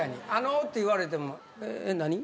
「あのう」って言われても「何？」